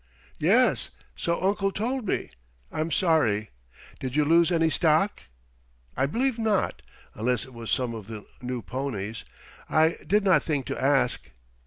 "Yes; so uncle told me. I'm sorry. Did you lose any stock?" "I believe not, unless it was some of the new ponies. I did not think to ask."